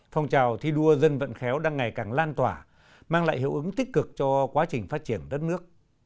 phong trào thi đua dân vận khéo đang ngày càng lan tỏa mang lại hiệu ứng tích cực cho quá trình phát triển đất nước